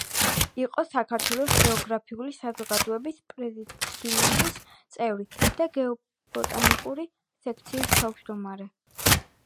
იყო საქართველოს გეოგრაფიული საზოგადოების პრეზიდიუმის წევრი და გეობოტანიკური სექციის თავმჯდომარე.